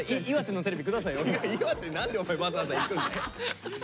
岩手何でお前わざわざ行くんだよ！